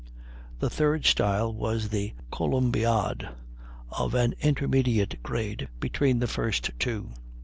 The third style was the columbiad, of an intermediate grade between the first two.